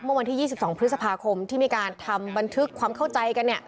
เมื่อวันที่๒๒พฤษภาคมที่มีการทำบันทึกความเข้าใจกัน